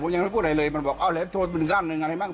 ผมยังไม่พูดอะไรเลยมันบอกอ้าวแล้วโทรเป็นการหนึ่งอะไรมั้ง